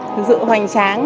thực sự hoành tráng